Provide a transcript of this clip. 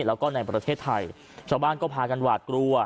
แล้วก็ในประเทศไทยชาวบ้านก็พากันหวาดกลัว